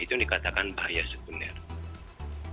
itu yang dikatakan bahaya sebenarnya